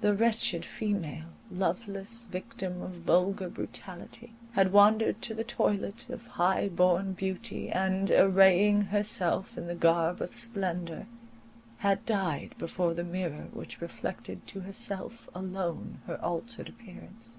The wretched female, loveless victim of vulgar brutality, had wandered to the toilet of high born beauty, and, arraying herself in the garb of splendour, had died before the mirror which reflected to herself alone her altered appearance.